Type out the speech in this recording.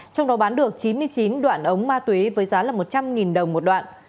trong đó bán được chín mươi chín đoạn ống ma túy với giá một trăm linh đồng một đoạn